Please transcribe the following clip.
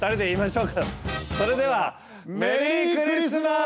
それでは、メリークリスマス！